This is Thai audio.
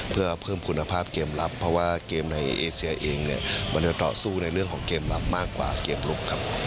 เพื่อเพิ่มคุณภาพเกมรับเพราะว่าเกมในเอเซียเองเนี่ยมันจะต่อสู้ในเรื่องของเกมรับมากกว่าเกมลุกครับ